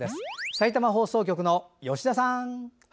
さいたま放送局の吉田さん。